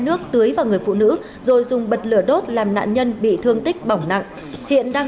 nước tưới vào người phụ nữ rồi dùng bật lửa đốt làm nạn nhân bị thương tích bỏng nặng hiện đang